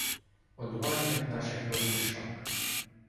Одважних наших розбишак